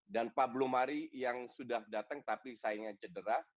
dan pablo mari yang sudah datang tapi saingnya cedera